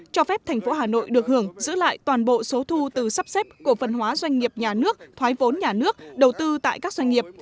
cho phép thành phố hà nội được hưởng giữ lại toàn bộ số thu từ sắp xếp cổ phần hóa doanh nghiệp nhà nước thoái vốn nhà nước đầu tư tại các doanh nghiệp